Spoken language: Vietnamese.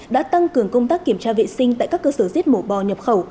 đã tăng cường công tác kiểm tra vệ sinh tại các cơ sở giết mổ bò nhập khẩu